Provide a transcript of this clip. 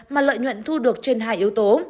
mà lợi nhuận thu được trên hai yếu tố